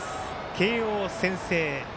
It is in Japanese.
慶応先制。